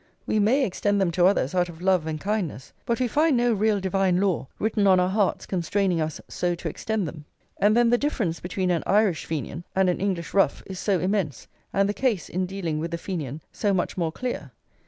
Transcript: We may extend them to others out of love and kindness; but we find no real divine law written on our hearts constraining us so to extend them. And then the difference between an Irish Fenian and an English rough is so immense, and the case, in dealing with the Fenian, so much more clear!